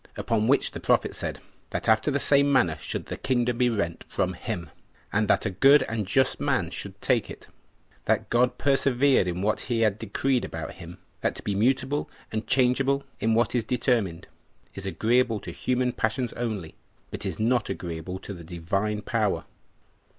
Upon which the prophet said, that after the same manner should the kingdom be rent from him, and that a good and a just man should take it; that God persevered in what he had decreed about him; that to be mutable and changeable in what is determined, is agreeable to human passions only, but is not agreeable to the Divine Power.